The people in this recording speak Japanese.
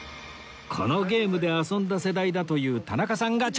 このゲームで遊んだ世代だという田中さんが挑戦